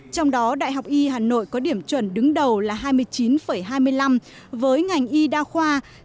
trong đó đại học y hà nội có điểm chuẩn đứng đầu là hai mươi chín hai mươi năm với ngành y đa khoa